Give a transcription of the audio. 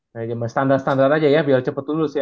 nah cuma standar standar aja ya biar cepat lulus ya